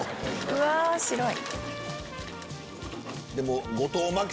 うわ白い！